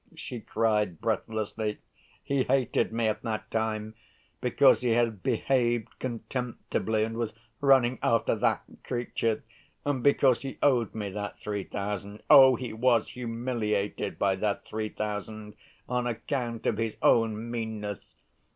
she cried breathlessly. "He hated me at that time, because he had behaved contemptibly and was running after that creature ... and because he owed me that three thousand.... Oh! he was humiliated by that three thousand on account of his own meanness!